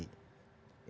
ya tentu dengan kebenaran